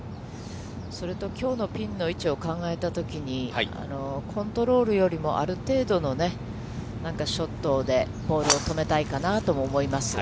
それときょうのピンの位置を考えたときに、コントロールよりも、ある程度のね、なんかショットで、ボールを止めたいかなとも思います。